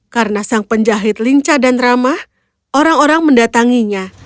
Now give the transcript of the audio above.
karena sang penjahit lincah dan ramah orang orang mendatanginya